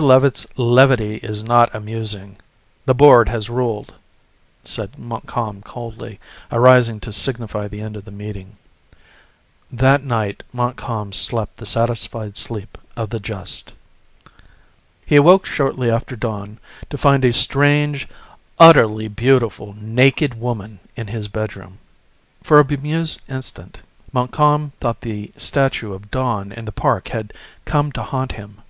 Levitt's levity is not amusing. The board has ruled," said Montcalm coldly, arising to signify the end of the meeting. That night Montcalm slept the satisfied sleep of the just. He awoke shortly after dawn to find a strange, utterly beautiful naked woman in his bedroom. For a bemused instant Montcalm thought the statue of Dawn in the park had come to haunt him.